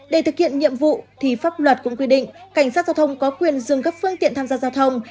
để thực hiện nhiệm vụ thì pháp luật cũng quy định cảnh sát giao thông có quyền dừng các phương tiện tham gia giao thông